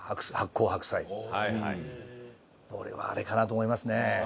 俺はあれかなと思いますね。